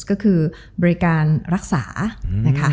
ก็คือบริการรักษานะคะ